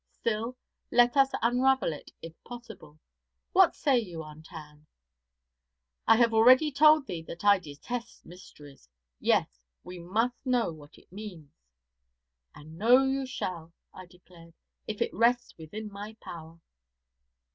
Still, let us unravel it if possible. What say you, Aunt Ann?' 'I have already told thee that I detest mysteries. Yes, we must know what it means.' 'And know you shall,' I declared, 'if it rests within my power.'